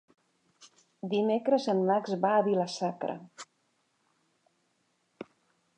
Dimecres en Max va a Vila-sacra.